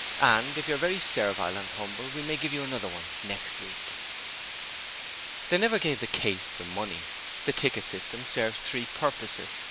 And, if you're very servile and humble we may give you another one next week.' They never gave the 'case' the money. The ticket system serves three purposes.